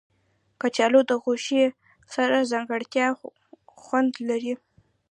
کچالو د غوښې سره ځانګړی خوند لري